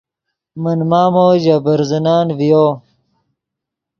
من مامو ژے برزنن ڤیو